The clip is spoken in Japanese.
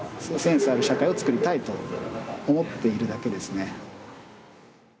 センスある社会を作りたいと思っているだけですね。